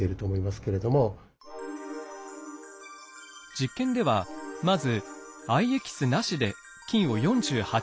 実験ではまず藍エキスなしで菌を４８時間培養。